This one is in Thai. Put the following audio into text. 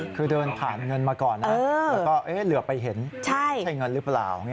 คือเดินผ่านเงินมาก่อนนะแล้วก็เหลือไปเห็นใช่เงินหรือเปล่า